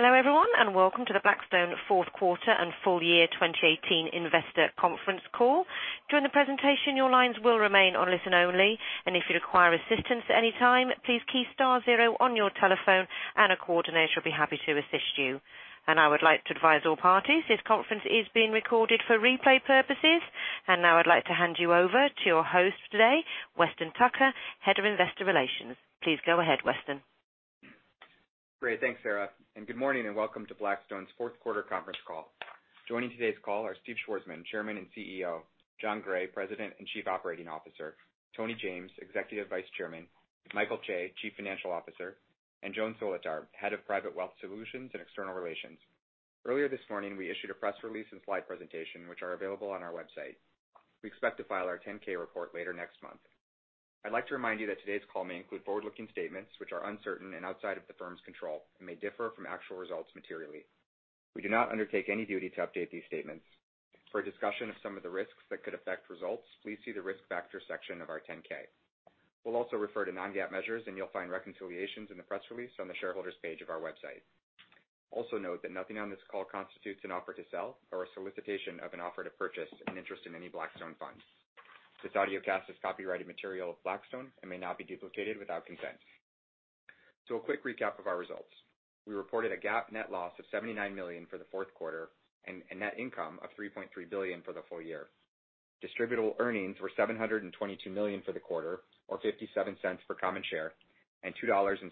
Hello, everyone, welcome to the Blackstone Fourth Quarter and Full Year 2018 investor conference call. During the presentation, your lines will remain on listen only. If you require assistance at any time, please key star zero on your telephone and a coordinator will be happy to assist you. I would like to advise all parties this conference is being recorded for replay purposes. Now I'd like to hand you over to your host today, Weston Tucker, Head of Investor Relations. Please go ahead, Weston. Great. Thanks, Sarah, good morning, and welcome to Blackstone's fourth quarter conference call. Joining today's call are Steve Schwarzman, Chairman and CEO; Jon Gray, President and Chief Operating Officer; Tony James, Executive Vice Chairman; Michael Chae, Chief Financial Officer; and Joan Solotar, Head of Private Wealth Solutions and External Relations. Earlier this morning, we issued a press release and slide presentation, which are available on our website. We expect to file our 10-K report later next month. I'd like to remind you that today's call may include forward-looking statements which are uncertain and outside of the firm's control and may differ from actual results materially. We do not undertake any duty to update these statements. For a discussion of some of the risks that could affect results, please see the Risk Factor section of our 10-K. We'll also refer to non-GAAP measures. You'll find reconciliations in the press release on the Shareholders page of our website. Also note that nothing on this call constitutes an offer to sell or a solicitation of an offer to purchase an interest in any Blackstone funds. This audiocast is copyrighted material of Blackstone and may not be duplicated without consent. A quick recap of our results. We reported a GAAP net loss of $79 million for the fourth quarter and net income of $3.3 billion for the full year. Distributable earnings were $722 million for the quarter, or $0.57 for common share, and $2.17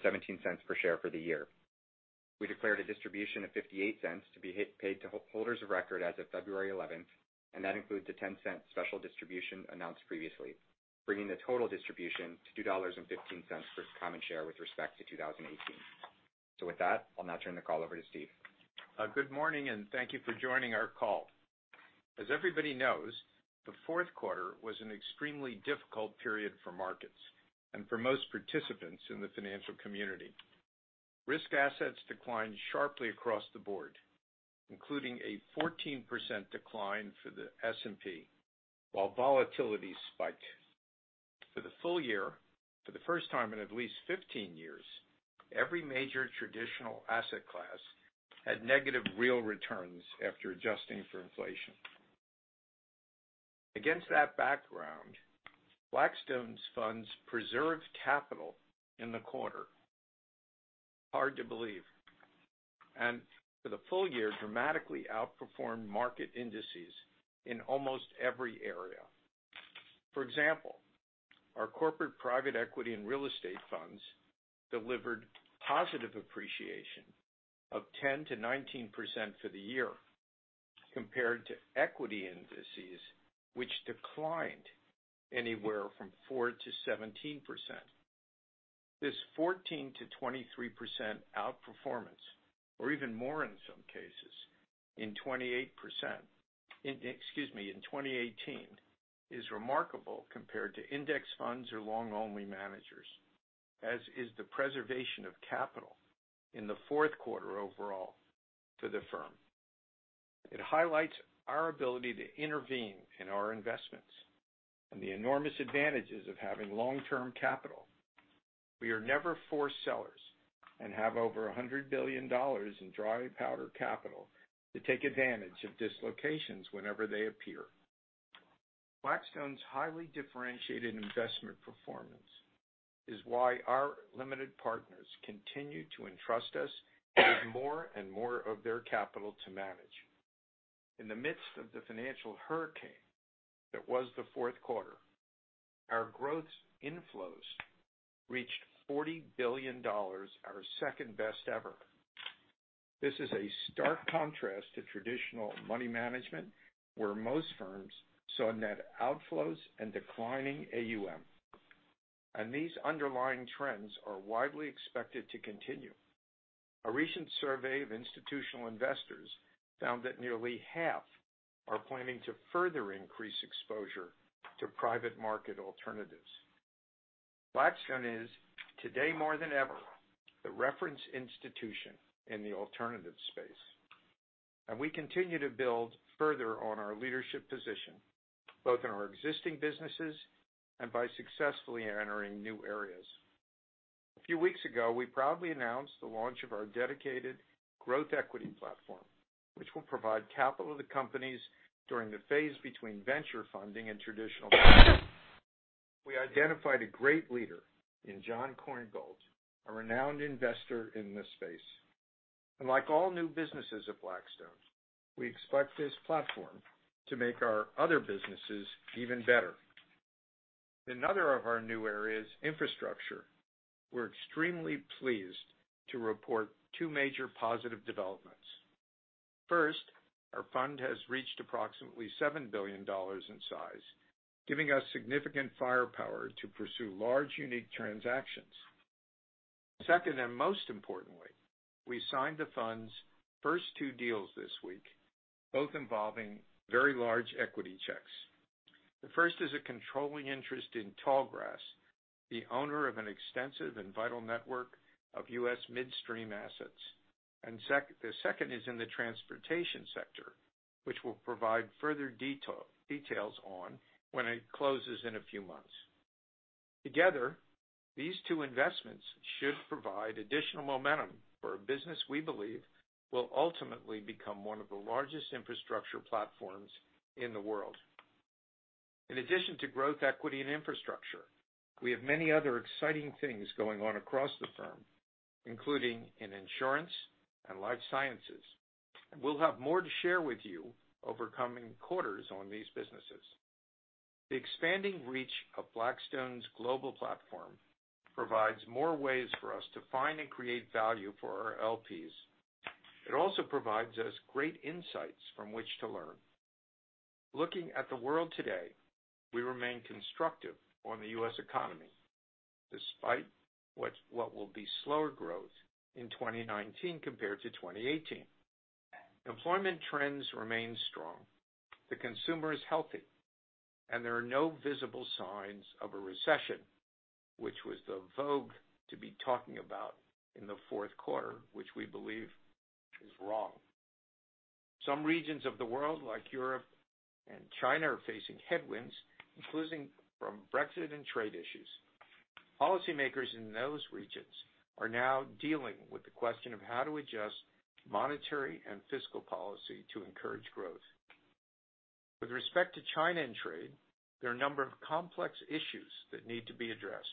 per share for the year. We declared a distribution of $0.58 to be paid to holders of record as of February 11th. That includes a $0.10 special distribution announced previously, bringing the total distribution to $2.15 per common share with respect to 2018. With that, I'll now turn the call over to Steve. Good morning, thank you for joining our call. As everybody knows, the fourth quarter was an extremely difficult period for markets and for most participants in the financial community. Risk assets declined sharply across the board, including a 14% decline for the S&P, while volatility spiked. For the full year, for the first time in at least 15 years, every major traditional asset class had negative real returns after adjusting for inflation. Against that background, Blackstone's funds preserved capital in the quarter. Hard to believe. For the full year, dramatically outperformed market indices in almost every area. For example, our corporate private equity and real estate funds delivered positive appreciation of 10%-19% for the year, compared to equity indices, which declined anywhere from four to 17%. This 14%-23% outperformance, or even more in some cases, in 28% Excuse me. In 2018, is remarkable compared to index funds or long-only managers, as is the preservation of capital in the fourth quarter overall for the firm. It highlights our ability to intervene in our investments and the enormous advantages of having long-term capital. We are never forced sellers and have over $100 billion in dry powder capital to take advantage of dislocations whenever they appear. Blackstone's highly differentiated investment performance is why our limited partners continue to entrust us with more and more of their capital to manage. In the midst of the financial hurricane that was the fourth quarter, our growth inflows reached $40 billion, our second best ever. This is a stark contrast to traditional money management, where most firms saw net outflows and declining AUM. These underlying trends are widely expected to continue. A recent survey of institutional investors found that nearly half are planning to further increase exposure to private market alternatives. Blackstone is, today more than ever, the reference institution in the alternatives space, we continue to build further on our leadership position, both in our existing businesses and by successfully entering new areas. A few weeks ago, we proudly announced the launch of our dedicated growth equity platform, which will provide capital to companies during the phase between venture funding and traditional banking. We identified a great leader in Jon Korngold, a renowned investor in this space. Like all new businesses at Blackstone, we expect this platform to make our other businesses even better. In another of our new areas, infrastructure, we're extremely pleased to report two major positive developments. First, our fund has reached approximately $7 billion in size, giving us significant firepower to pursue large, unique transactions. Second, most importantly, we signed the fund's first two deals this week, both involving very large equity checks. The first is a controlling interest in Tallgrass-The owner of an extensive and vital network of U.S. midstream assets. The second is in the transportation sector, which we'll provide further details on when it closes in a few months. Together, these two investments should provide additional momentum for a business we believe will ultimately become one of the largest infrastructure platforms in the world. In addition to growth equity and infrastructure, we have many other exciting things going on across the firm, including in insurance and life sciences. We'll have more to share with you over coming quarters on these businesses. The expanding reach of Blackstone's global platform provides more ways for us to find and create value for our LPs. It also provides us great insights from which to learn. Looking at the world today, we remain constructive on the U.S. economy, despite what will be slower growth in 2019 compared to 2018. Employment trends remain strong, the consumer is healthy, and there are no visible signs of a recession, which was the vogue to be talking about in the fourth quarter, which we believe is wrong. Some regions of the world, like Europe and China, are facing headwinds, including from Brexit and trade issues. Policymakers in those regions are now dealing with the question of how to adjust monetary and fiscal policy to encourage growth. With respect to China and trade, there are a number of complex issues that need to be addressed.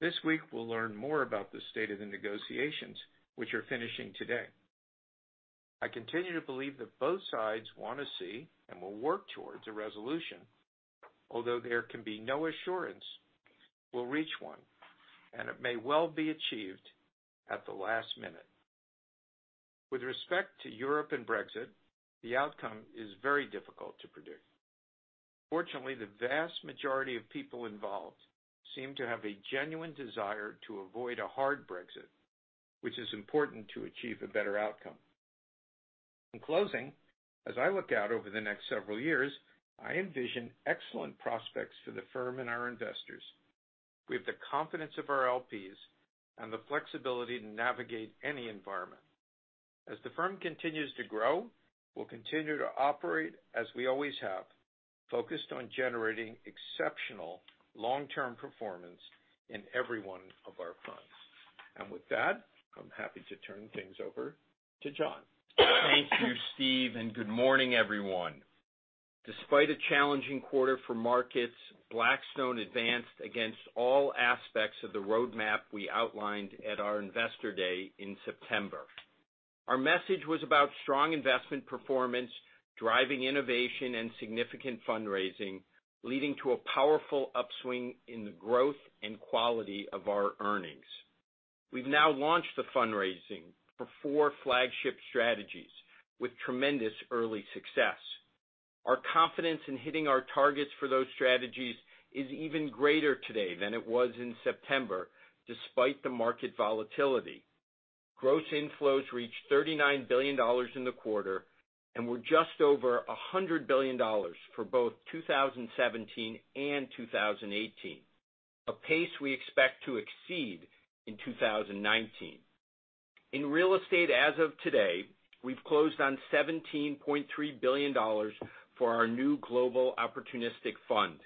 This week, we'll learn more about the state of the negotiations, which are finishing today. I continue to believe that both sides want to see and will work towards a resolution, although there can be no assurance we'll reach one, and it may well be achieved at the last minute. With respect to Europe and Brexit, the outcome is very difficult to predict. Fortunately, the vast majority of people involved seem to have a genuine desire to avoid a hard Brexit, which is important to achieve a better outcome. In closing, as I look out over the next several years, I envision excellent prospects for the firm and our investors. We have the confidence of our LPs and the flexibility to navigate any environment. As the firm continues to grow, we'll continue to operate as we always have, focused on generating exceptional long-term performance in every one of our funds. With that, I'm happy to turn things over to Jon. Thank you, Steve, good morning, everyone. Despite a challenging quarter for markets, Blackstone advanced against all aspects of the roadmap we outlined at our investor day in September. Our message was about strong investment performance, driving innovation and significant fundraising, leading to a powerful upswing in the growth and quality of our earnings. We've now launched the fundraising for four flagship strategies with tremendous early success. Our confidence in hitting our targets for those strategies is even greater today than it was in September, despite the market volatility. Gross inflows reached $39 billion in the quarter and were just over $100 billion for both 2017 and 2018. A pace we expect to exceed in 2019. In real estate as of today, we've closed on $17.3 billion for our new global opportunistic fund.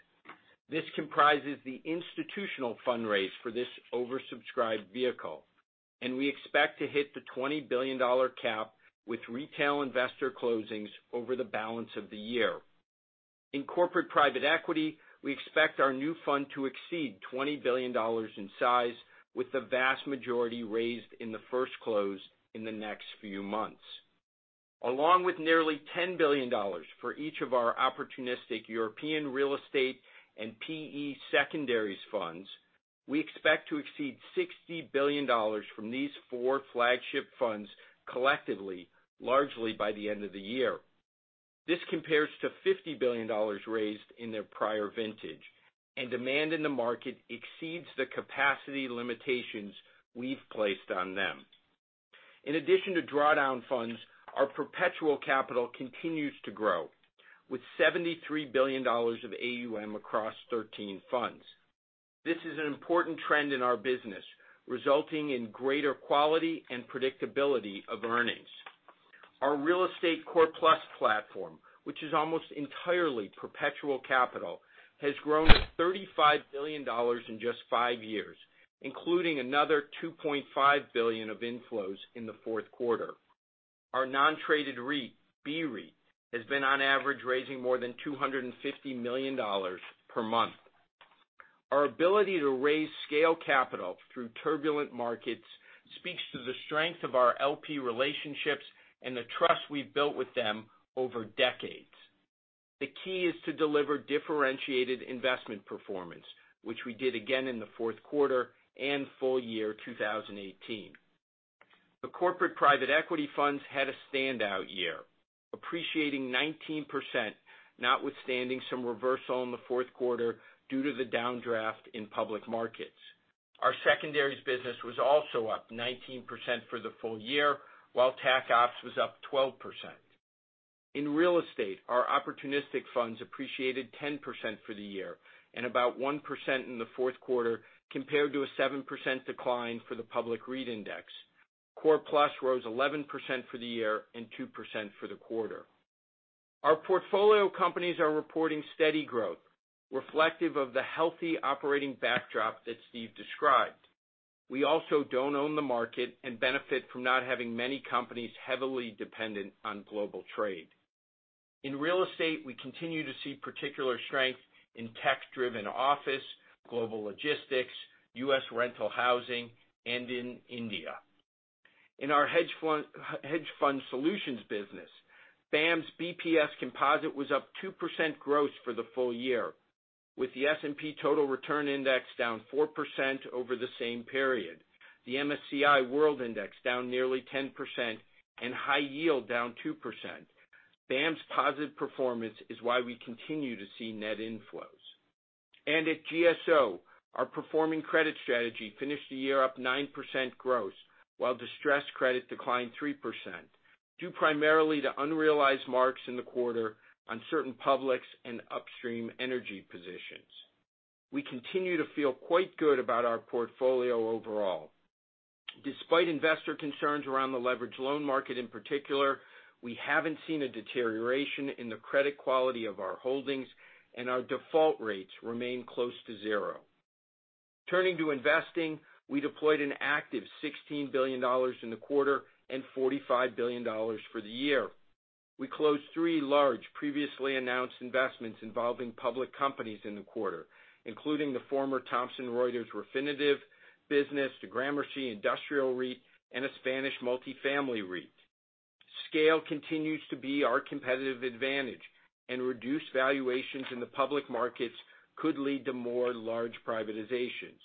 This comprises the institutional fundraise for this oversubscribed vehicle. We expect to hit the $20 billion cap with retail investor closings over the balance of the year. In corporate private equity, we expect our new fund to exceed $20 billion in size, with the vast majority raised in the first close in the next few months. Along with nearly $10 billion for each of our opportunistic European real estate and PE secondaries funds, we expect to exceed $60 billion from these four flagship funds collectively, largely by the end of the year. This compares to $50 billion raised in their prior vintage. Demand in the market exceeds the capacity limitations we've placed on them. In addition to drawdown funds, our perpetual capital continues to grow, with $73 billion of AUM across 13 funds. This is an important trend in our business, resulting in greater quality and predictability of earnings. Our Real Estate Core Plus platform, which is almost entirely perpetual capital, has grown to $35 billion in just five years, including another $2.5 billion of inflows in the fourth quarter. Our non-traded REIT, BREIT, has been on average raising more than $250 million per month. Our ability to raise scale capital through turbulent markets speaks to the strength of our LP relationships and the trust we've built with them over decades. The key is to deliver differentiated investment performance, which we did again in the fourth quarter and full year 2018. The corporate private equity funds had a standout year, appreciating 19%, notwithstanding some reversal in the fourth quarter due to the downdraft in public markets. Our secondaries business was also up 19% for the full year, while Tac Opps was up 12%. In real estate, our opportunistic funds appreciated 10% for the year, and about 1% in the fourth quarter, compared to a 7% decline for the public REIT index. Core Plus rose 11% for the year and 2% for the quarter. Our portfolio companies are reporting steady growth, reflective of the healthy operating backdrop that Steve described. We also don't own the market and benefit from not having many companies heavily dependent on global trade. In real estate, we continue to see particular strength in tech-driven office, global logistics, U.S. rental housing, and in India. In our hedge fund solutions business, BAAM's BPS composite was up 2% gross for the full year, with the S&P total return index down 4% over the same period. The MSCI World Index down nearly 10%, and high yield down 2%. BAAM's positive performance is why we continue to see net inflows. At GSO, our performing credit strategy finished the year up 9% gross, while distressed credit declined 3%, due primarily to unrealized marks in the quarter on certain publics and upstream energy positions. We continue to feel quite good about our portfolio overall. Despite investor concerns around the leveraged loan market in particular, we haven't seen a deterioration in the credit quality of our holdings, and our default rates remain close to zero. Turning to investing, we deployed an active $16 billion in the quarter and $45 billion for the year. We closed three large previously announced investments involving public companies in the quarter, including the former Thomson Reuters Refinitiv business, the Gramercy Property Trust, and a Spanish multifamily REIT. Scale continues to be our competitive advantage, and reduced valuations in the public markets could lead to more large privatizations.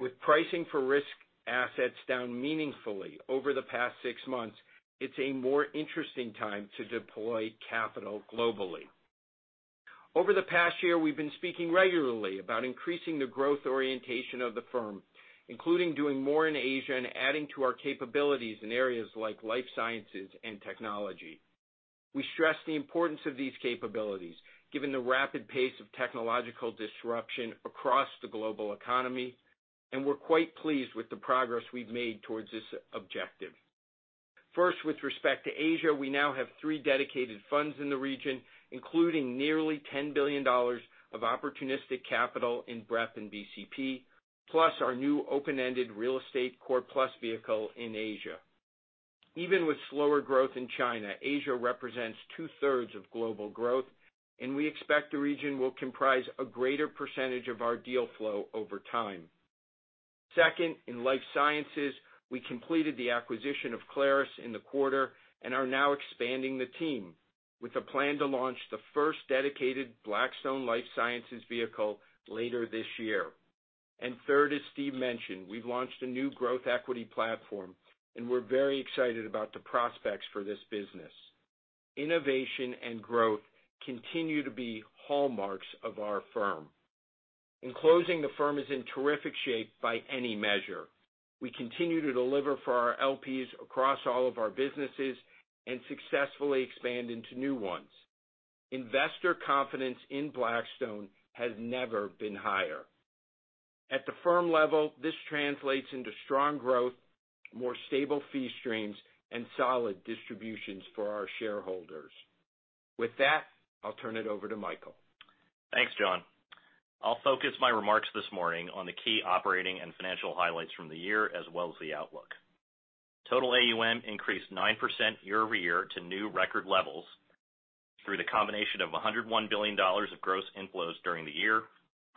With pricing for risk assets down meaningfully over the past six months, it's a more interesting time to deploy capital globally. Over the past year, we've been speaking regularly about increasing the growth orientation of the firm, including doing more in Asia and adding to our capabilities in areas like life sciences and technology. We stress the importance of these capabilities, given the rapid pace of technological disruption across the global economy, and we're quite pleased with the progress we've made towards this objective. First, with respect to Asia, we now have three dedicated funds in the region, including nearly $10 billion of opportunistic capital in BREP and BCP, plus our new open-ended real estate Core+ vehicle in Asia. Even with slower growth in China, Asia represents two-thirds of global growth, and we expect the region will comprise a greater percentage of our deal flow over time. Second, in life sciences, we completed the acquisition of Clarus in the quarter and are now expanding the team with a plan to launch the first dedicated Blackstone Life Sciences vehicle later this year. Third, as Steve mentioned, we've launched a new growth equity platform, and we're very excited about the prospects for this business. Innovation and growth continue to be hallmarks of our firm. In closing, the firm is in terrific shape by any measure. We continue to deliver for our LPs across all of our businesses and successfully expand into new ones. Investor confidence in Blackstone has never been higher. At the firm level, this translates into strong growth, more stable fee streams, and solid distributions for our shareholders. With that, I'll turn it over to Michael. Thanks, Jon. I'll focus my remarks this morning on the key operating and financial highlights from the year as well as the outlook. Total AUM increased 9% year-over-year to new record levels through the combination of $101 billion of gross inflows during the year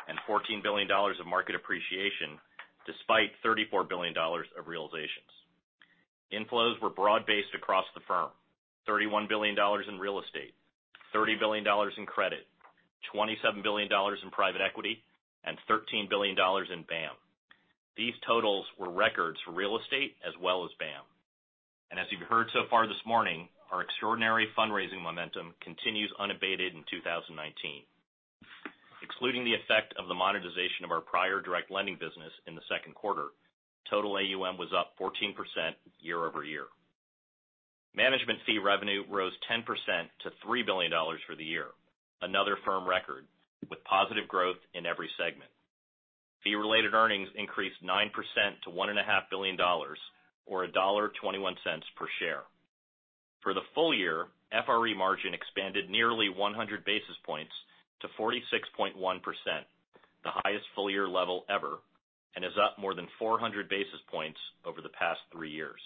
and $14 billion of market appreciation, despite $34 billion of realizations. Inflows were broad-based across the firm, $31 billion in real estate, $30 billion in credit, $27 billion in private equity, and $13 billion in BAAM. These totals were records for real estate as well as BAAM. As you've heard so far this morning, our extraordinary fundraising momentum continues unabated in 2019. Excluding the effect of the monetization of our prior direct lending business in the second quarter, total AUM was up 14% year-over-year. Management fee revenue rose 10% to $3 billion for the year, another firm record, with positive growth in every segment. Fee-related earnings increased 9% to $1.5 billion, or $1.21 per share. For the full year, FRE margin expanded nearly 100 basis points to 46.1%, the highest full-year level ever, and is up more than 400 basis points over the past three years.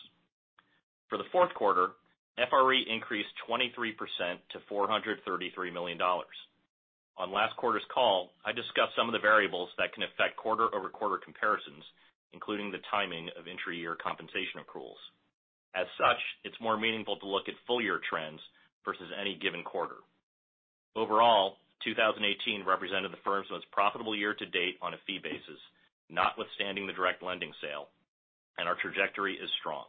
For the fourth quarter, FRE increased 23% to $433 million. On last quarter's call, I discussed some of the variables that can affect quarter-over-quarter comparisons, including the timing of intra-year compensation accruals. As such, it's more meaningful to look at full-year trends versus any given quarter. Overall, 2018 represented the firm's most profitable year to date on a fee basis, notwithstanding the direct lending sale, and our trajectory is strong.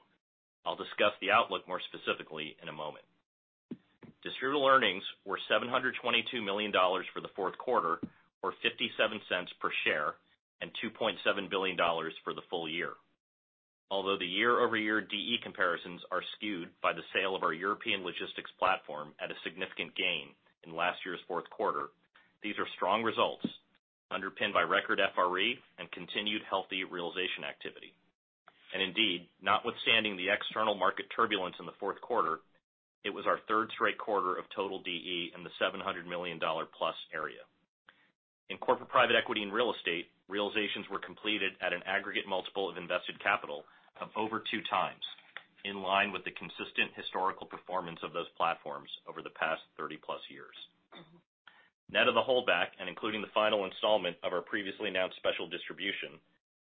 I'll discuss the outlook more specifically in a moment. Distributable earnings were $722 million for the fourth quarter or $0.57 per share, and $2.7 billion for the full year. Although the year-over-year DE comparisons are skewed by the sale of our European logistics platform at a significant gain in last year's fourth quarter, these are strong results underpinned by record FRE and continued healthy realization activity. Indeed, notwithstanding the external market turbulence in the fourth quarter, it was our third straight quarter of total DE in the $700 million-plus area. In corporate private equity and real estate, realizations were completed at an aggregate multiple of invested capital of over two times, in line with the consistent historical performance of those platforms over the past 30-plus years. Net of the holdback and including the final installment of our previously announced special distribution,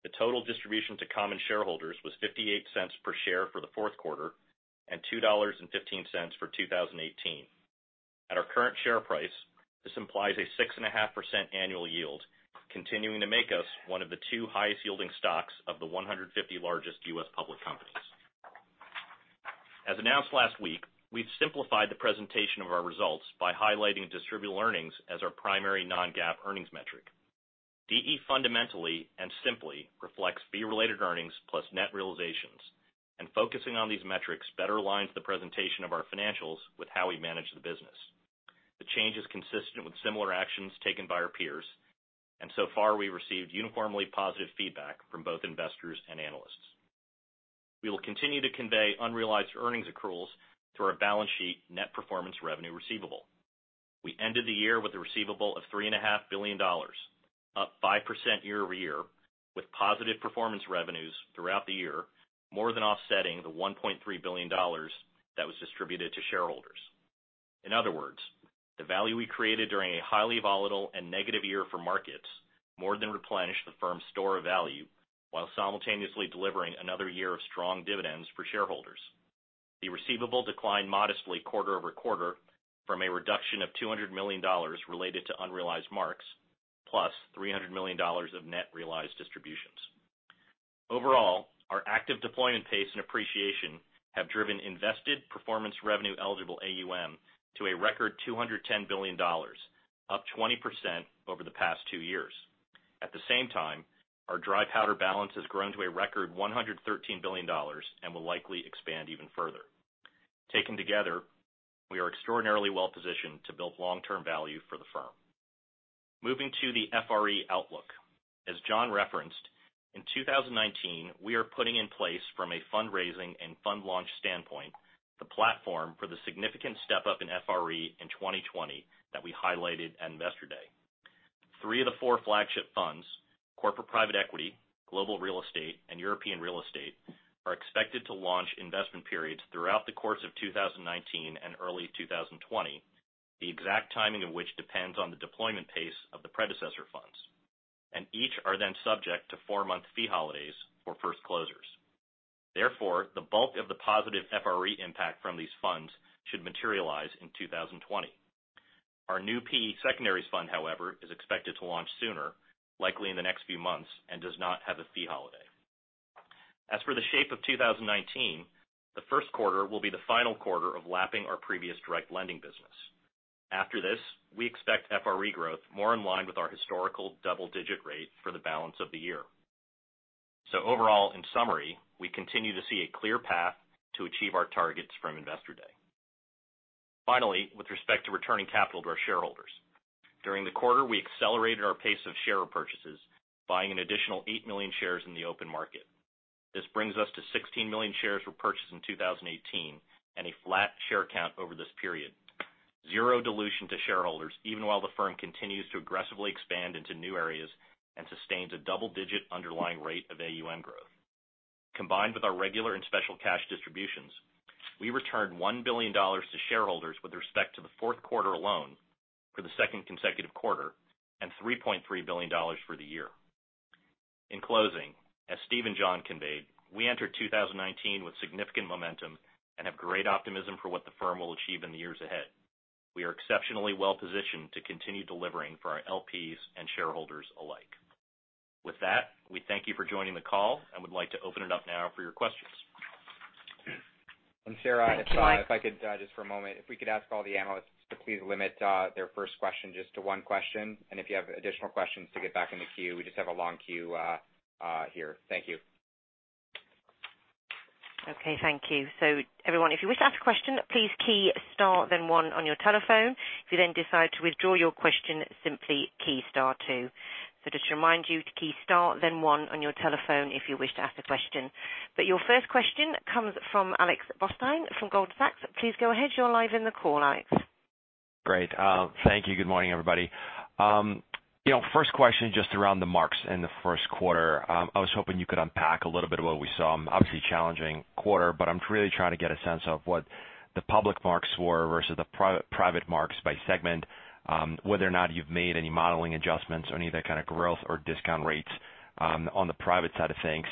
the total distribution to common shareholders was $0.58 per share for the fourth quarter and $2.15 for 2018. At our current share price, this implies a 6.5% annual yield, continuing to make us one of the two highest-yielding stocks of the 150 largest U.S. public companies. As announced last week, we've simplified the presentation of our results by highlighting distributable earnings as our primary non-GAAP earnings metric. DE fundamentally and simply reflects fee-related earnings plus net realizations. Focusing on these metrics better aligns the presentation of our financials with how we manage the business. The change is consistent with similar actions taken by our peers. So far, we received uniformly positive feedback from both investors and analysts. We will continue to convey unrealized earnings accruals through our balance sheet net performance revenue receivable. We ended the year with a receivable of $3.5 billion, up 5% year-over-year, with positive performance revenues throughout the year, more than offsetting the $1.3 billion that was distributed to shareholders. In other words, the value we created during a highly volatile and negative year for markets more than replenished the firm's store of value, while simultaneously delivering another year of strong dividends for shareholders. The receivable declined modestly quarter-over-quarter from a reduction of $200 million related to unrealized marks, plus $300 million of net realized distributions. Overall, our active deployment pace and appreciation have driven invested performance revenue eligible AUM to a record $210 billion, up 20% over the past two years. At the same time, our dry powder balance has grown to a record $113 billion and will likely expand even further. Taken together, we are extraordinarily well-positioned to build long-term value for the firm. Moving to the FRE outlook. As Jon referenced, in 2019, we are putting in place from a fundraising and fund launch standpoint, the platform for the significant step-up in FRE in 2020 that we highlighted at Investor Day. Three of the four flagship funds, corporate private equity, global real estate, and European real estate, are expected to launch investment periods throughout the course of 2019 and early 2020. The exact timing of which depends on the deployment pace of the predecessor funds, and each are then subject to four-month fee holidays for first closers. Therefore, the bulk of the positive FRE impact from these funds should materialize in 2020. Our new PE secondaries fund, however, is expected to launch sooner, likely in the next few months, and does not have a fee holiday. As for the shape of 2019, the first quarter will be the final quarter of lapping our previous direct lending business. After this, we expect FRE growth more in line with our historical double-digit rate for the balance of the year. Overall, in summary, we continue to see a clear path to achieve our targets from Investor Day. Finally, with respect to returning capital to our shareholders. During the quarter, we accelerated our pace of share purchases, buying an additional 8 million shares in the open market. This brings us to 16 million shares were purchased in 2018 and a flat share count over this period. Zero dilution to shareholders, even while the firm continues to aggressively expand into new areas and sustains a double-digit underlying rate of AUM growth. Combined with our regular and special cash distributions, we returned $1 billion to shareholders with respect to the fourth quarter alone for the second consecutive quarter, and $3.3 billion for the year. In closing, as Steve and Jon conveyed, we enter 2019 with significant momentum and have great optimism for what the firm will achieve in the years ahead. We are exceptionally well-positioned to continue delivering for our LPs and shareholders alike. With that, we thank you for joining the call and would like to open it up now for your questions. Sarah. Thank you. If I could just for a moment, if we could ask all the analysts to please limit their first question just to one question. If you have additional questions to get back in the queue, we just have a long queue here. Thank you. Okay, thank you. Everyone, if you wish to ask a question, please key star then one on your telephone. If you then decide to withdraw your question, simply key star two. Just to remind you to key star then one on your telephone if you wish to ask a question. Your first question comes from Alex Blostein from Goldman Sachs. Please go ahead. You're live in the call, Alex. Great. Thank you. Good morning, everybody. First question, just around the marks in the first quarter. I was hoping you could unpack a little bit of what we saw. Obviously a challenging quarter, but I'm really trying to get a sense of what the public marks were versus the private marks by segment, whether or not you've made any modeling adjustments on either kind of growth or discount rates on the private side of things.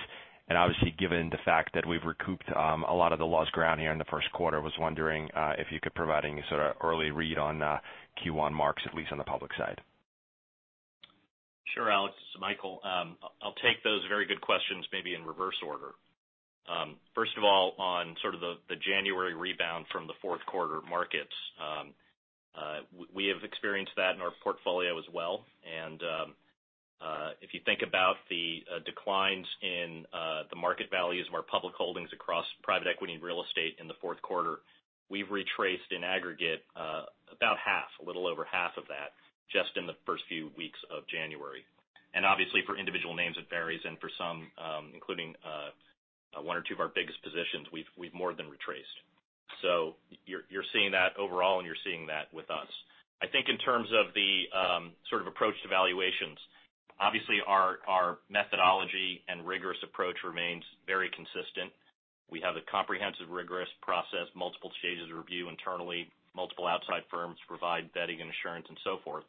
Obviously, given the fact that we've recouped a lot of the lost ground here in the first quarter, I was wondering if you could provide any sort of early read on Q1 marks, at least on the public side. Sure, Alex, this is Michael. I'll take those very good questions maybe in reverse order. First of all, on sort of the January rebound from the fourth quarter markets. We have experienced that in our portfolio as well. If you think about the declines in the market values of our public holdings across private equity and real estate in the fourth quarter, we've retraced, in aggregate, about half, a little over half of that, just in the first few weeks of January. Obviously for individual names it varies, and for some, including one or two of our biggest positions, we've more than retraced. You're seeing that overall, and you're seeing that with us. I think in terms of the sort of approach to valuations, obviously our methodology and rigorous approach remains very consistent. We have a comprehensive, rigorous process, multiple stages of review internally, multiple outside firms provide vetting and assurance and so forth.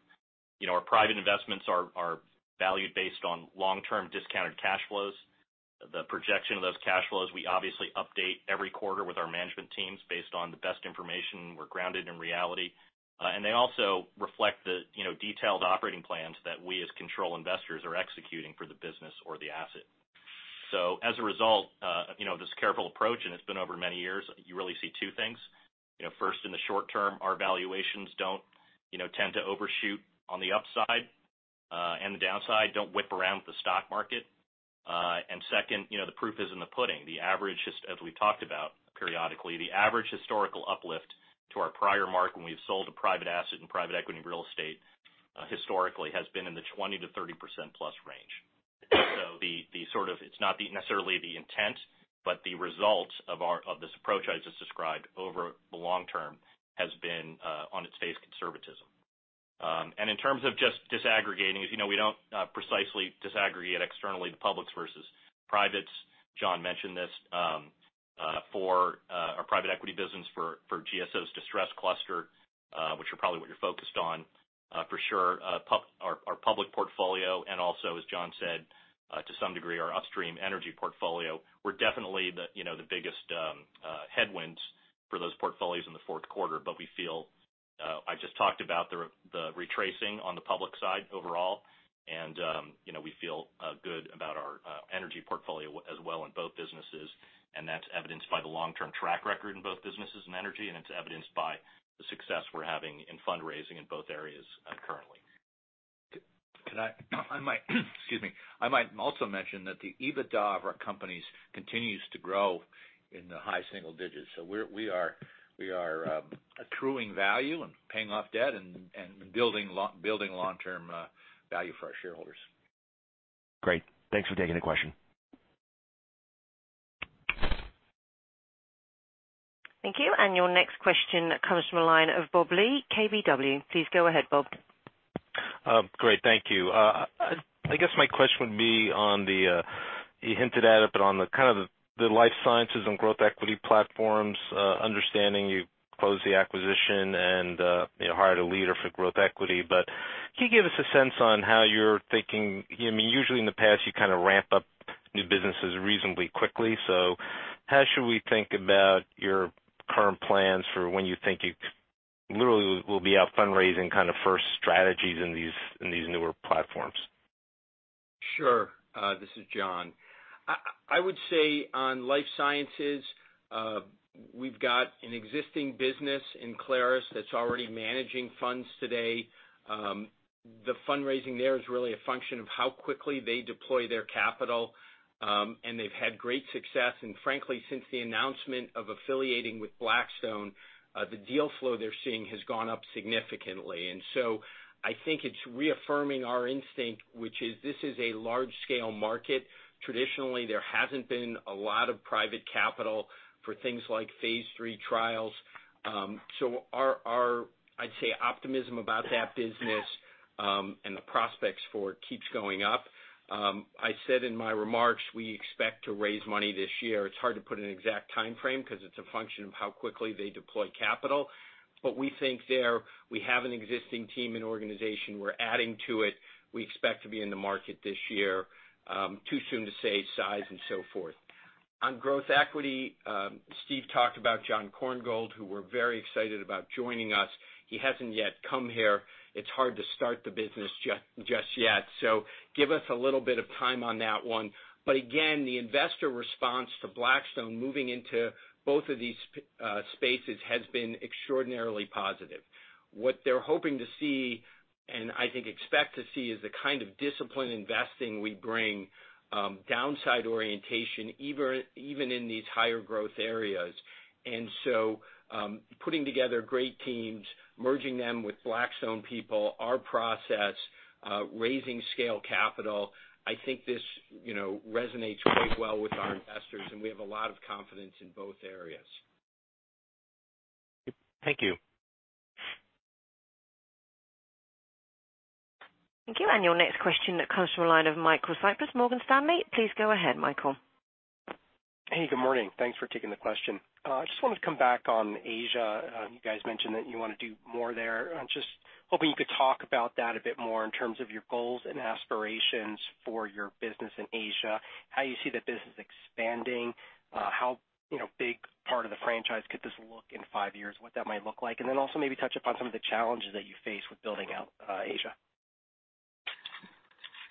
Our private investments are valued based on long-term discounted cash flows. The projection of those cash flows, we obviously update every quarter with our management teams based on the best information. We're grounded in reality. They also reflect the detailed operating plans that we as control investors are executing for the business or the asset. As a result of this careful approach, and it's been over many years, you really see two things. First, in the short term, our valuations don't tend to overshoot on the upside, and the downside don't whip around with the stock market. Second, the proof is in the pudding. The average, as we've talked about periodically, the average historical uplift to our prior mark when we've sold a private asset in private equity and real estate, historically, has been in the 20%-30% plus range. It's not necessarily the intent, but the result of this approach I just described over the long term has been, on its face, conservatism. In terms of just disaggregating, as you know, we don't precisely disaggregate externally the publics versus privates. Jon mentioned this. For our private equity business, for GSO's distressed cluster, which are probably what you're focused on, for sure our public portfolio, and also, as Jon said, to some degree, our upstream energy portfolio, were definitely the biggest headwinds for those portfolios in the fourth quarter. I just talked about the retracing on the public side overall. We feel good about our energy portfolio as well in both businesses. That's evidenced by the long-term track record in both businesses in energy. It's evidenced by the success we're having in fundraising in both areas currently. I might also mention that the EBITDA of our companies continues to grow in the high single digits. We are accruing value and paying off debt and building long-term value for our shareholders. Great. Thanks for taking the question. Thank you. Your next question comes from the line of Bob Lee, KBW. Please go ahead, Bob. Great. Thank you. I guess my question would be on the, you hinted at it, on the kind of the life sciences and growth equity platforms. Understanding you closed the acquisition and hired a leader for growth equity. Can you give us a sense on how you're thinking? Usually in the past, you kind of ramp up new businesses reasonably quickly. How should we think about your current plans for when you think you literally will be out fundraising kind of first strategies in these newer platforms? Sure. This is Jon. I would say on life sciences, we've got an existing business in Clarus that's already managing funds today. The fundraising there is really a function of how quickly they deploy their capital, and they've had great success. Frankly, since the announcement of affiliating with Blackstone, the deal flow they're seeing has gone up significantly. I think it's reaffirming our instinct, which is this is a large-scale market. Traditionally, there hasn't been a lot of private capital for things like phase III trials. Our, I'd say, optimism about that business, and the prospects for it keeps going up. I said in my remarks, we expect to raise money this year. It's hard to put an exact timeframe because it's a function of how quickly they deploy capital. We think there we have an existing team and organization. We're adding to it. We expect to be in the market this year. Too soon to say size and so forth. On growth equity, Steve talked about Jon Korngold, who we're very excited about joining us. He hasn't yet come here. It's hard to start the business just yet. Give us a little bit of time on that one. Again, the investor response to Blackstone moving into both of these spaces has been extraordinarily positive. What they're hoping to see, and I think expect to see, is the kind of disciplined investing we bring downside orientation, even in these higher growth areas. Putting together great teams, merging them with Blackstone people, our process, raising scale capital, I think this resonates quite well with our investors, and we have a lot of confidence in both areas. Thank you. Thank you. Your next question comes from the line of Michael Cyprys, Morgan Stanley. Please go ahead, Michael. Hey, good morning. Thanks for taking the question. I just wanted to come back on Asia. You guys mentioned that you want to do more there. I'm just hoping you could talk about that a bit more in terms of your goals and aspirations for your business in Asia, how you see the business expanding, how big part of the franchise could this look in 5 years, what that might look like, and then also maybe touch upon some of the challenges that you face with building out Asia.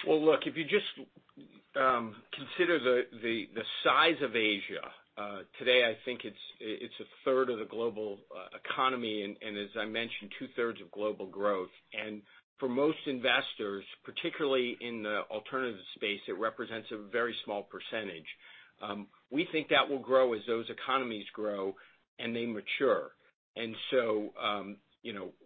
Well, look, if you just consider the size of Asia. Today, I think it's a third of the global economy, as I mentioned, two-thirds of global growth. For most investors, particularly in the alternative space, it represents a very small percentage. We think that will grow as those economies grow, and they mature.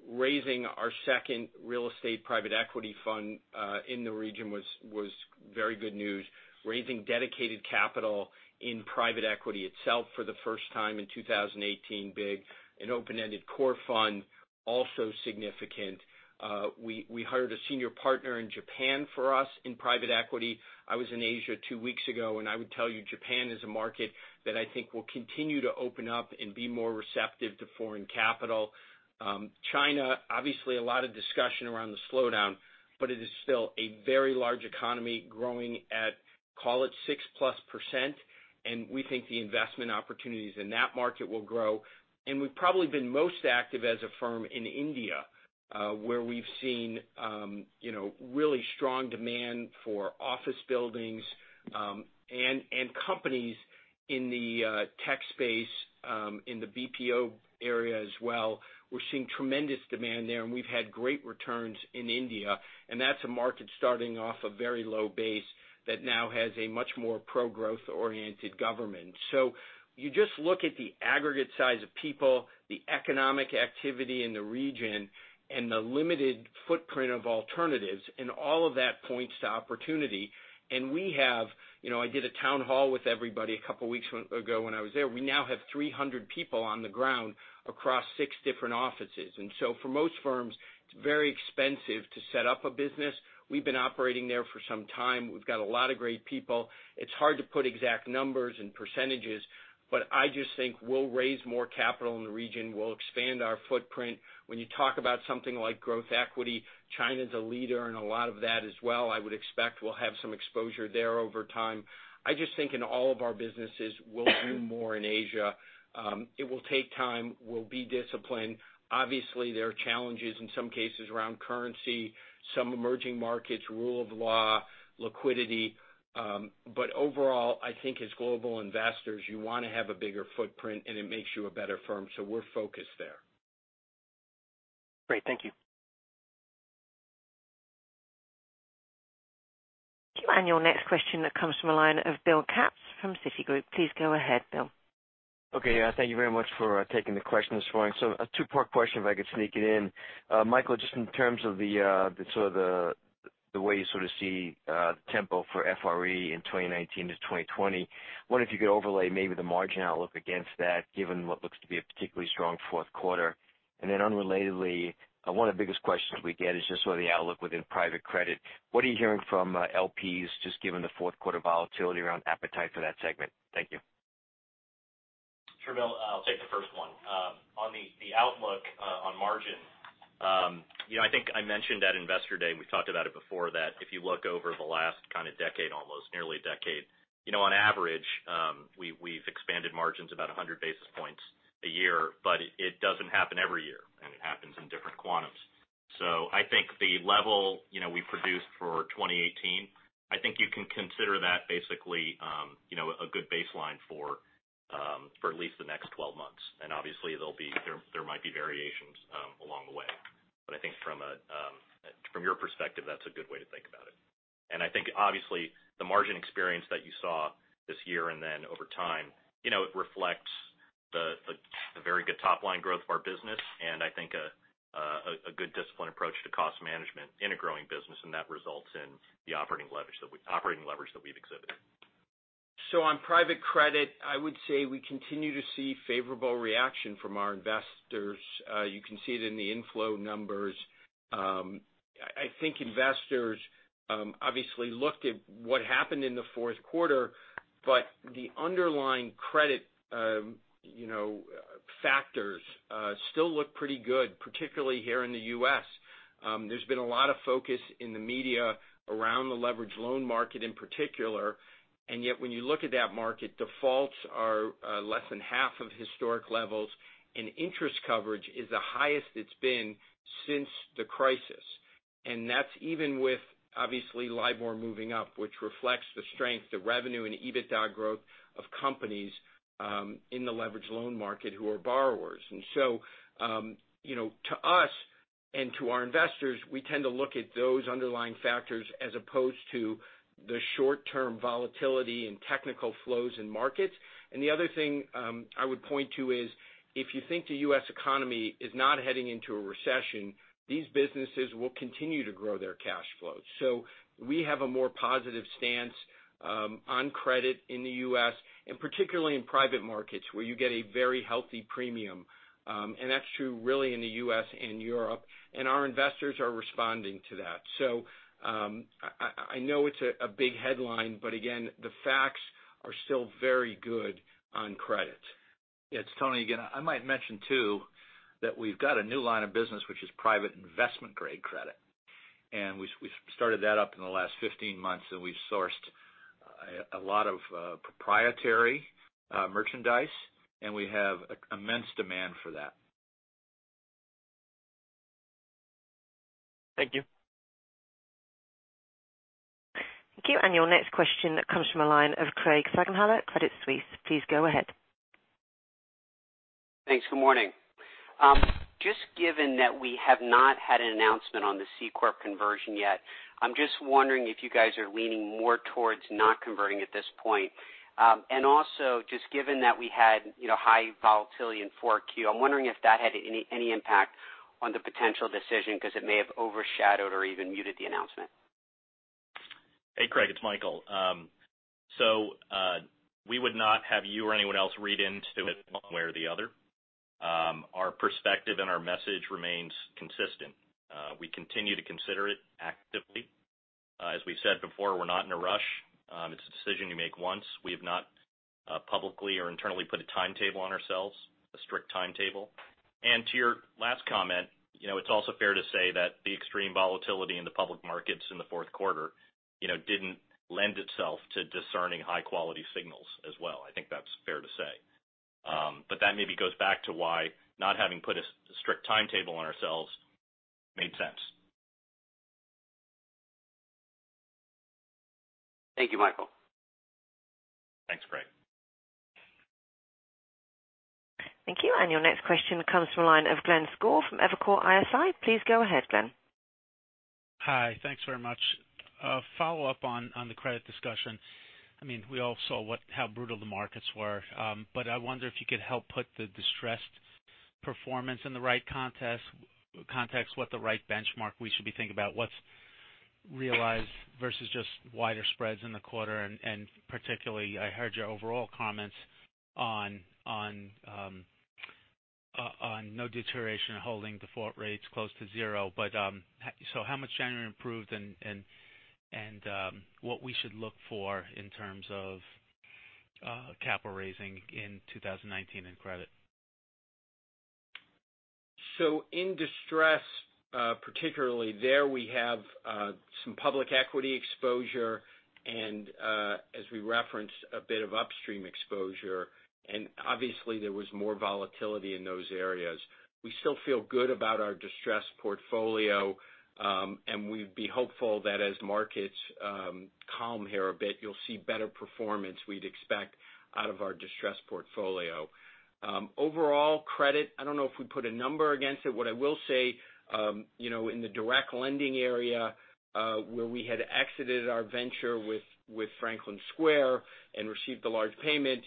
Raising our second real estate private equity fund in the region was very good news. Raising dedicated capital in private equity itself for the first time in 2018, big. An open-ended core fund, also significant. We hired a senior partner in Japan for us in private equity. I was in Asia 2 weeks ago, I would tell you Japan is a market that I think will continue to open up and be more receptive to foreign capital. China, obviously a lot of discussion around the slowdown, it is still a very large economy growing at, call it 6+%, we think the investment opportunities in that market will grow. We've probably been most active as a firm in India, where we've seen really strong demand for office buildings, and companies in the tech space, in the BPO area as well. We're seeing tremendous demand there, we've had great returns in India. That's a market starting off a very low base that now has a much more pro-growth-oriented government. You just look at the aggregate size of people, the economic activity in the region, the limited footprint of alternatives, all of that points to opportunity. I did a town hall with everybody a couple of weeks ago when I was there. We now have 300 people on the ground across 6 different offices. For most firms, it's very expensive to set up a business. We've been operating there for some time. We've got a lot of great people. It's hard to put exact numbers and percentages, I just think we'll raise more capital in the region. We'll expand our footprint. When you talk about something like growth equity, China's a leader in a lot of that as well. I would expect we'll have some exposure there over time. I just think in all of our businesses, we'll do more in Asia. It will take time. We'll be disciplined. Obviously, there are challenges in some cases around currency, some emerging markets, rule of law, liquidity. Overall, I think as global investors, you want to have a bigger footprint, it makes you a better firm. we're focused there. Great. Thank you. Your next question that comes from a line of Bill Katz from Citigroup. Please go ahead, Bill. Okay. Thank you very much for taking the question this morning. A two-part question if I could sneak it in. Michael, just in terms of the way you sort of see the tempo for FRE in 2019 to 2020, what if you could overlay maybe the margin outlook against that, given what looks to be a particularly strong fourth quarter. Unrelatedly, one of the biggest questions we get is just sort of the outlook within private credit. What are you hearing from LPs, just given the fourth quarter volatility around appetite for that segment? Thank you. Sure, Bill. I'll take the first one. On the outlook on margin. I think I mentioned at Investor Day, and we've talked about it before, that if you look over the last kind of decade almost, nearly a decade, on average, we've expanded margins about 100 basis points a year, but it doesn't happen every year, and it happens in different quantums. I think the level we produced for 2018, I think you can consider that basically a good baseline for at least the next 12 months. Obviously there might be variations along the way. I think from your perspective, that's a good way to think about it. I think obviously the margin experience that you saw this year and then over time, it reflects the very good top-line growth of our business and I think a good disciplined approach to cost management in a growing business, and that results in the operating leverage that we've exhibited. On private credit, I would say we continue to see favorable reaction from our investors. You can see it in the inflow numbers. I think investors obviously looked at what happened in the fourth quarter, but the underlying credit factors still look pretty good, particularly here in the U.S. There's been a lot of focus in the media around the leveraged loan market in particular. Yet when you look at that market, defaults are less than half of historic levels, and interest coverage is the highest it's been since the crisis. That's even with, obviously, LIBOR moving up, which reflects the strength of revenue and EBITDA growth of companies in the leveraged loan market who are borrowers. To us and to our investors, we tend to look at those underlying factors as opposed to the short-term volatility and technical flows in markets. The other thing I would point to is, if you think the U.S. economy is not heading into a recession, these businesses will continue to grow their cash flows. We have a more positive stance on credit in the U.S. and particularly in private markets where you get a very healthy premium. That's true really in the U.S. and Europe, and our investors are responding to that. I know it's a big headline, but again, the facts are still very good on credit. It's Tony again. I might mention too, that we've got a new line of business, which is private investment-grade credit. We started that up in the last 15 months, we've sourced a lot of proprietary merchandise, we have immense demand for that. Thank you. Thank you. Your next question comes from the line of Craig Siegenthaler, Credit Suisse. Please go ahead. Thanks. Good morning. Just given that we have not had an announcement on the C corp conversion yet, I'm just wondering if you guys are leaning more towards not converting at this point. Also, just given that we had high volatility in 4Q, I'm wondering if that had any impact on the potential decision because it may have overshadowed or even muted the announcement. Hey, Craig, it's Michael. We would not have you or anyone else read into it one way or the other. Our perspective and our message remains consistent. We continue to consider it actively. As we said before, we're not in a rush. It's a decision you make once. We have not publicly or internally put a timetable on ourselves, a strict timetable. To your last comment, it's also fair to say that the extreme volatility in the public markets in the fourth quarter didn't lend itself to discerning high-quality signals as well. I think that's fair to say. That maybe goes back to why not having put a strict timetable on ourselves made sense. Thank you, Michael. Thanks, Craig. Thank you. Your next question comes from a line of Glenn Schorr from Evercore ISI. Please go ahead, Glenn. Hi. Thanks very much. A follow-up on the credit discussion. We all saw how brutal the markets were. I wonder if you could help put the distressed performance in the right context, what the right benchmark we should be thinking about, what's realized versus just wider spreads in the quarter, and particularly, I heard your overall comments on no deterioration, holding default rates close to 0. How much generally improved and what we should look for in terms of capital raising in 2019 in credit. In distress, particularly there we have some public equity exposure and as we referenced, a bit of upstream exposure, and obviously there was more volatility in those areas. We still feel good about our distressed portfolio, and we'd be hopeful that as markets calm here a bit, you'll see better performance we'd expect out of our distressed portfolio. Overall credit, I don't know if we'd put a number against it. What I will say, in the direct lending area where we had exited our venture with Franklin Square and received a large payment,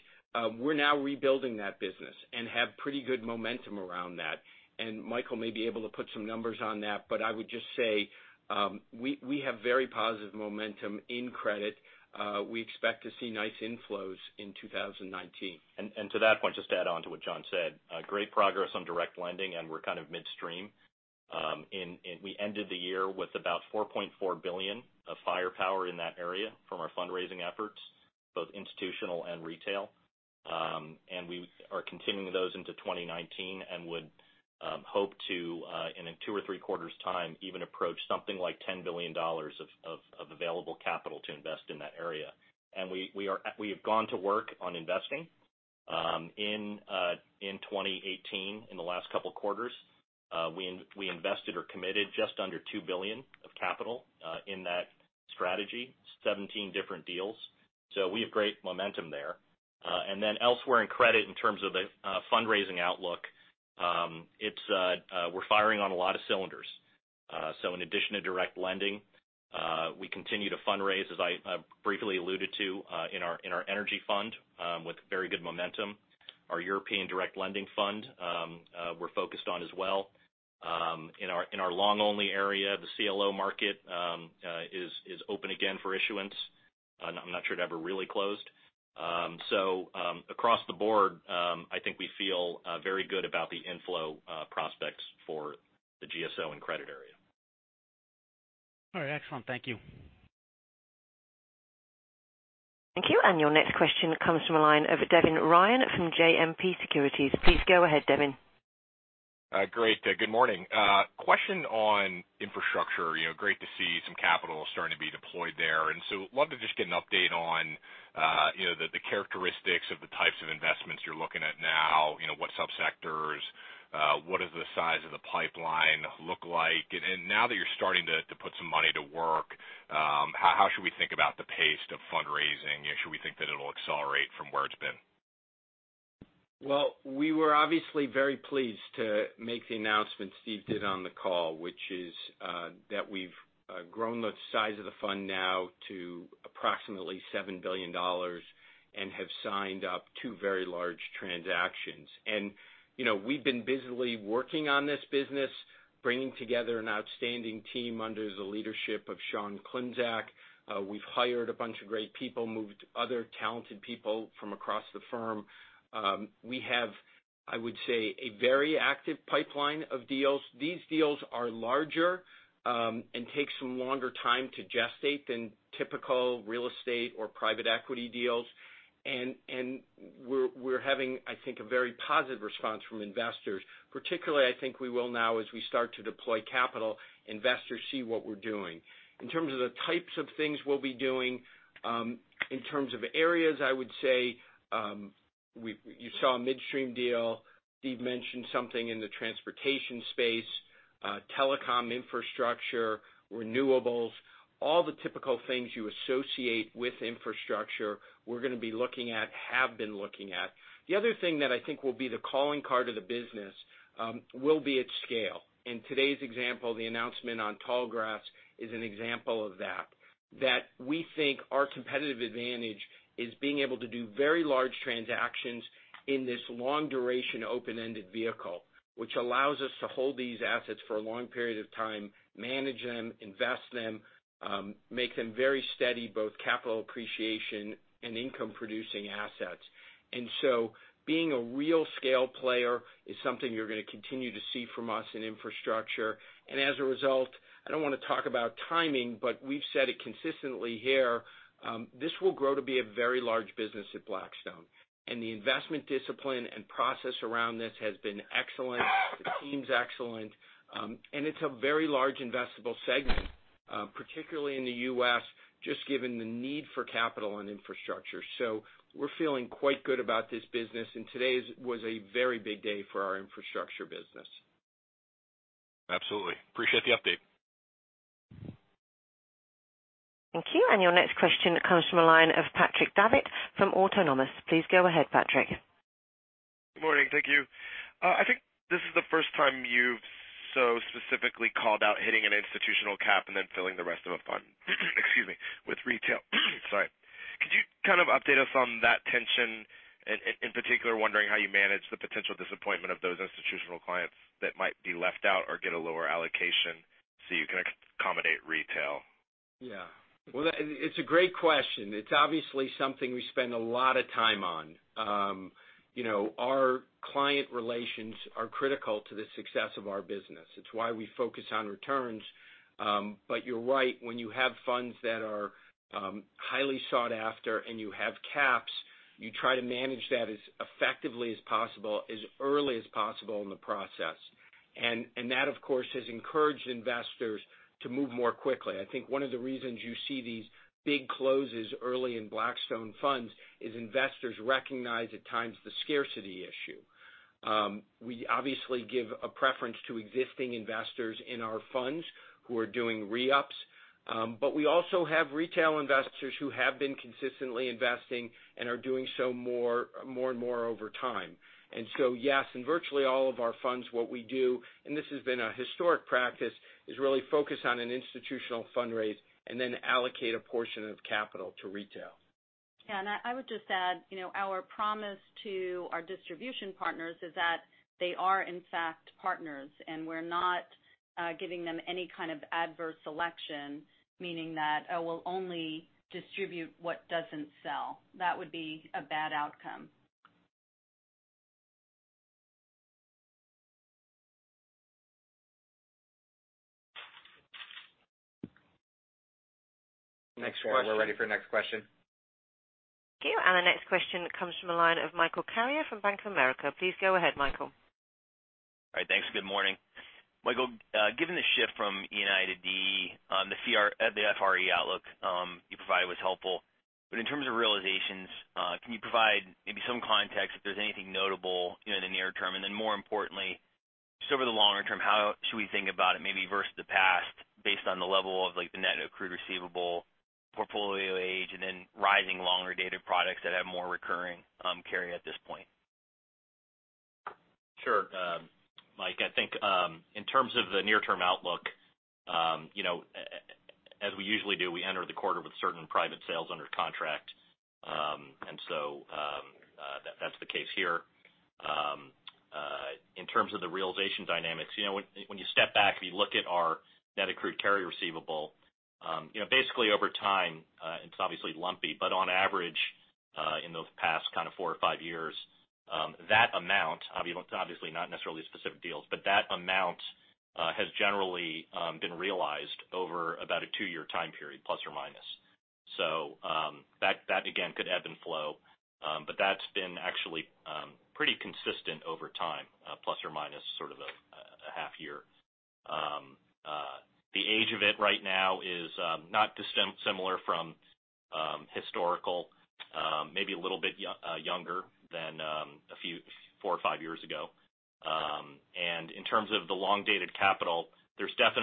we're now rebuilding that business and have pretty good momentum around that. Michael may be able to put some numbers on that, but I would just say we have very positive momentum in credit. We expect to see nice inflows in 2019. To that point, just to add on to what John said, great progress on direct lending, and we're kind of midstream. We ended the year with about $4.4 billion of firepower in that area from our fundraising efforts, both institutional and retail. We are continuing those into 2019 and would hope to in a two or three quarters' time even approach something like $10 billion of available capital to invest in that area. We have gone to work on investing. In 2018, in the last couple of quarters, we invested or committed just under $2 billion of capital in that strategy, 17 different deals. We have great momentum there. Elsewhere in credit in terms of the fundraising outlook, we're firing on a lot of cylinders. In addition to direct lending, we continue to fundraise, as I briefly alluded to in our energy fund with very good momentum. Our European direct lending fund we're focused on as well. In our long only area, the CLO market is open again for issuance. I'm not sure it ever really closed. Across the board, I think we feel very good about the inflow prospects for the GSO and credit area. All right. Excellent. Thank you. Thank you. Your next question comes from a line of Devin Ryan from JMP Securities. Please go ahead, Devin. Great. Good morning. Question on infrastructure. Great to see some capital starting to be deployed there. I wanted to just get an update on the characteristics of the types of investments you're looking at now, what sub-sectors, what does the size of the pipeline look like? Now that you're starting to put some money to work, how should we think about the pace of fundraising? Should we think that it'll accelerate from where it's been? Well, we were obviously very pleased to make the announcement Steve did on the call, which is that we've grown the size of the fund now to approximately $7 billion and have signed up two very large transactions. We've been busily working on this business, bringing together an outstanding team under the leadership of Sean Klimczak. We've hired a bunch of great people, moved other talented people from across the firm. We have, I would say, a very active pipeline of deals. These deals are larger and take some longer time to gestate than typical real estate or private equity deals. We're having, I think, a very positive response from investors. Particularly, I think we will now as we start to deploy capital, investors see what we're doing. In terms of the types of things we'll be doing, in terms of areas, I would say, you saw a midstream deal. Steve mentioned something in the transportation space. Telecom infrastructure, renewables, all the typical things you associate with infrastructure, we're going to be looking at, have been looking at. The other thing that I think will be the calling card of the business will be at scale. In today's example, the announcement on Tallgrass is an example of that. That we think our competitive advantage is being able to do very large transactions in this long duration, open-ended vehicle. Which allows us to hold these assets for a long period of time, manage them, invest them, make them very steady, both capital appreciation and income producing assets. Being a real scale player is something you're going to continue to see from us in infrastructure. As a result, I don't want to talk about timing, but we've said it consistently here, this will grow to be a very large business at Blackstone. The investment discipline and process around this has been excellent. The team's excellent. It's a very large investable segment, particularly in the U.S., just given the need for capital and infrastructure. We're feeling quite good about this business, and today was a very big day for our infrastructure business. Absolutely. Appreciate the update. Thank you. Your next question comes from the line of Patrick Davitt from Autonomous. Please go ahead, Patrick. Good morning. Thank you. I think this is the first time you've so specifically called out hitting an institutional cap and then filling the rest of a fund with retail. Sorry. Could you update us on that tension? In particular, wondering how you manage the potential disappointment of those institutional clients that might be left out or get a lower allocation so you can accommodate retail? Yeah. Well, it's a great question. It's obviously something we spend a lot of time on. Our client relations are critical to the success of our business. It's why we focus on returns. You're right. When you have funds that are highly sought after and you have caps, you try to manage that as effectively as possible, as early as possible in the process. That, of course, has encouraged investors to move more quickly. I think one of the reasons you see these big closes early in Blackstone funds is investors recognize at times the scarcity issue. We obviously give a preference to existing investors in our funds who are doing re-ups. We also have retail investors who have been consistently investing and are doing so more and more over time. Yes, in virtually all of our funds, what we do, and this has been a historic practice, is really focus on an institutional fund raise and then allocate a portion of capital to retail. Yeah, I would just add, our promise to our distribution partners is that they are, in fact, partners, and we're not giving them any kind of adverse selection, meaning that we'll only distribute what doesn't sell. That would be a bad outcome. Next question. We're ready for next question. Thank you. The next question comes from the line of Michael Carrier from Bank of America. Please go ahead, Michael. All right. Thanks. Good morning. Michael, given the shift from ENI to DE, the FRE outlook you provided was helpful. In terms of realizations, can you provide maybe some context if there's anything notable in the near term? More importantly, just over the longer term, how should we think about it, maybe versus the past, based on the level of the net accrued receivable portfolio age, and rising longer dated products that have more recurring carry at this point? Sure. Mike, I think, in terms of the near-term outlook, as we usually do, we enter the quarter with certain private sales under contract. That's the case here. In terms of the realization dynamics, when you step back, if you look at our net accrued carry receivable, basically over time, it's obviously lumpy, but on average in those past four or five years, that amount, obviously not necessarily specific deals, but that amount has generally been realized over about a two-year time period, plus or minus. That, again, could ebb and flow. That's been actually pretty consistent over time, plus or minus sort of a half year. The age of it right now is not dissimilar from historical. Maybe a little bit younger than four or five years ago. In terms of the long-dated capital, in terms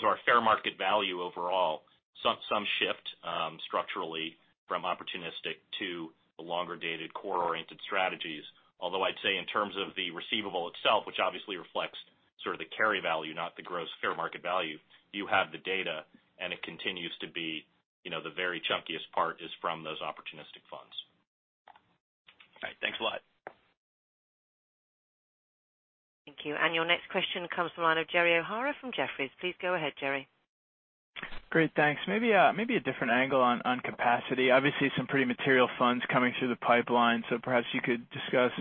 of our fair market value overall, some shift structurally from opportunistic to the longer-dated core-oriented strategies. Although I'd say in terms of the receivable itself, which obviously reflects sort of the carry value, not the gross fair market value, you have the data, and it continues to be the very chunkiest part is from those opportunistic funds. All right. Thanks a lot. Thank you. Your next question comes from the line of Jerry O'Hara from Jefferies. Please go ahead, Jerry. Great. Thanks. Maybe a different angle on capacity. Obviously, some pretty material funds coming through the pipeline. Perhaps you could discuss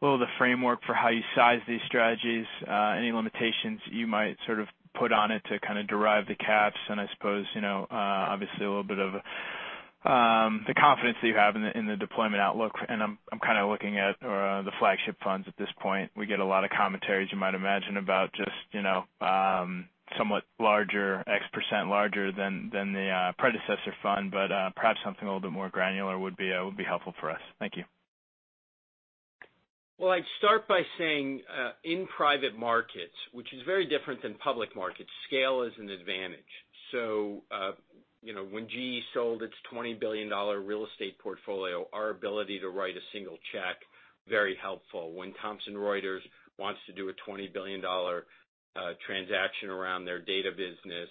a little of the framework for how you size these strategies, any limitations you might sort of put on it to kind of derive the caps, and I suppose obviously a little bit of the confidence that you have in the deployment outlook. I'm kind of looking at the flagship funds at this point. We get a lot of commentaries you might imagine about just somewhat X% larger than the predecessor fund, but perhaps something a little bit more granular would be helpful for us. Thank you. I'd start by saying, in private markets, which is very different than public markets, scale is an advantage. When GE sold its $20 billion real estate portfolio, our ability to write a single check, very helpful. When Thomson Reuters wants to do a $20 billion transaction around their data business,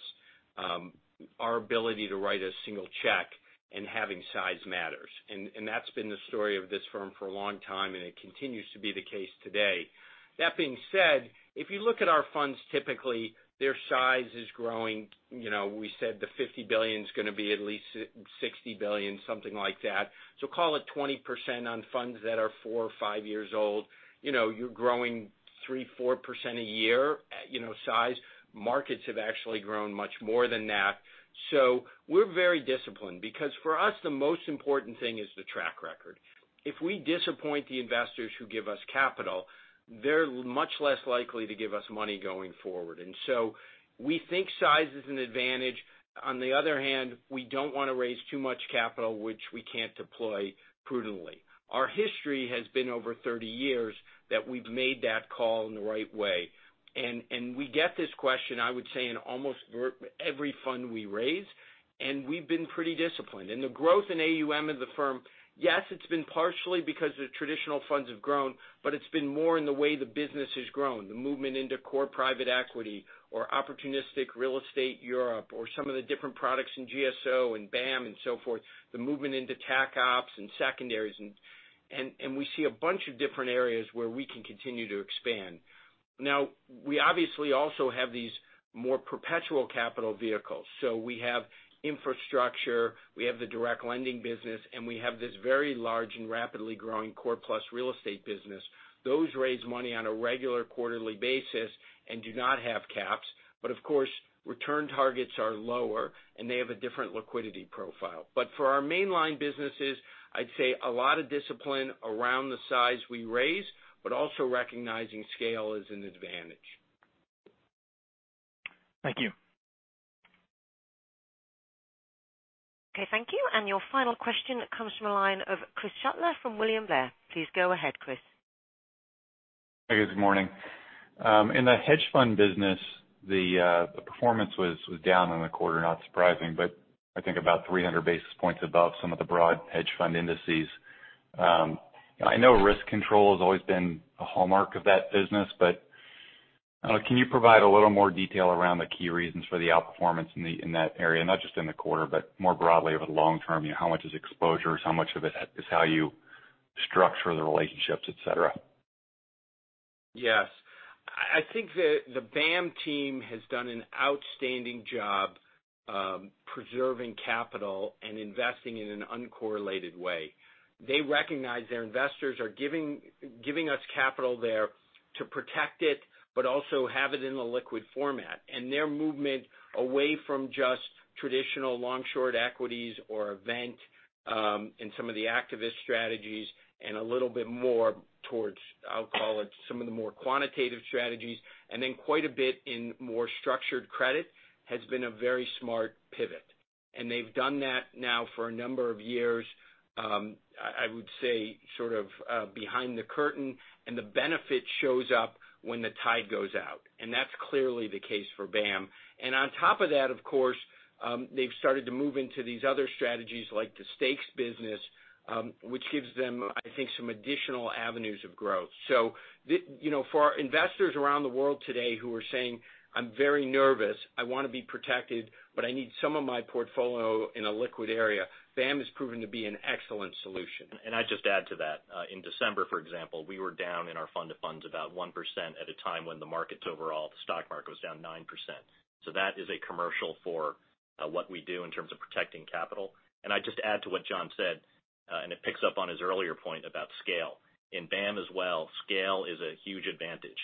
our ability to write a single check and having size matters. That's been the story of this firm for a long time, and it continues to be the case today. That being said, if you look at our funds, typically, their size is growing. We said the $50 billion is going to be at least $60 billion, something like that. Call it 20% on funds that are four or five years old. You're growing 3%, 4% a year size. Markets have actually grown much more than that. We're very disciplined because for us, the most important thing is the track record. If we disappoint the investors who give us capital, they're much less likely to give us money going forward. We think size is an advantage. On the other hand, we don't want to raise too much capital, which we can't deploy prudently. Our history has been over 30 years that we've made that call in the right way. We get this question, I would say, in almost every fund we raise, and we've been pretty disciplined. The growth in AUM of the firm, yes, it's been partially because the traditional funds have grown, but it's been more in the way the business has grown, the movement into core private equity or opportunistic real estate Europe or some of the different products in GSO and BAAM and so forth, the movement into Tac Opps and secondaries, and we see a bunch of different areas where we can continue to expand. Now, we obviously also have these more perpetual capital vehicles. We have infrastructure, we have the direct lending business, and we have this very large and rapidly growing core plus real estate business. Those raise money on a regular quarterly basis and do not have caps. Of course, return targets are lower, and they have a different liquidity profile. For our mainline businesses, I'd say a lot of discipline around the size we raise, but also recognizing scale is an advantage. Thank you. Okay. Thank you. Your final question comes from the line of Chris Shutler from William Blair. Please go ahead, Chris. Hey, guys. Good morning. In the hedge fund business, the performance was down in the quarter, not surprising, but I think about 300 basis points above some of the broad hedge fund indices. I know risk control has always been a hallmark of that business, but can you provide a little more detail around the key reasons for the outperformance in that area, not just in the quarter, but more broadly over the long term? How much is exposure? How much of it is how you structure the relationships, et cetera? Yes. I think the BAAM team has done an outstanding job preserving capital and investing in an uncorrelated way. They recognize their investors are giving us capital there to protect it but also have it in a liquid format. Their movement away from just traditional long-short equities or event, in some of the activist strategies and a little bit more towards, I'll call it, some of the more quantitative strategies, and then quite a bit in more structured credit, has been a very smart pivot. They've done that now for a number of years, I would say sort of behind the curtain, and the benefit shows up when the tide goes out. That's clearly the case for BAAM. On top of that, of course, they've started to move into these other strategies like the stakes business, which gives them, I think, some additional avenues of growth. For our investors around the world today who are saying, "I'm very nervous, I want to be protected, but I need some of my portfolio in a liquid area," BAAM has proven to be an excellent solution. I'd just add to that. In December, for example, we were down in our fund of funds about 1% at a time when the markets overall, the stock market was down 9%. That is a commercial for what we do in terms of protecting capital. I'd just add to what Jon said, and it picks up on his earlier point about scale. In BAAM as well, scale is a huge advantage.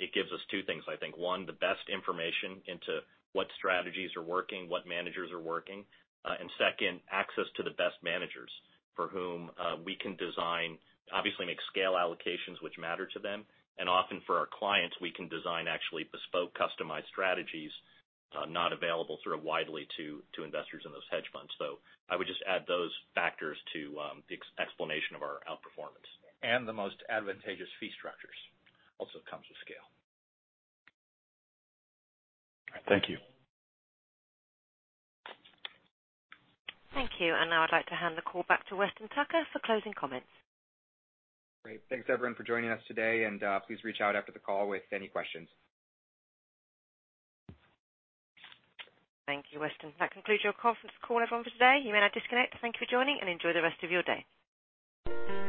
It gives us two things, I think. One, the best information into what strategies are working, what managers are working. Second, access to the best managers for whom we can design, obviously make scale allocations which matter to them. Often for our clients, we can design actually bespoke customized strategies, not available sort of widely to investors in those hedge funds. I would just add those factors to the explanation of our outperformance. The most advantageous fee structures also comes with scale. Thank you. Thank you. Now I'd like to hand the call back to Weston Tucker for closing comments. Great. Thanks, everyone, for joining us today. Please reach out after the call with any questions. Thank you, Weston. That concludes your conference call, everyone, for today. You may now disconnect. Thank you for joining. Enjoy the rest of your day.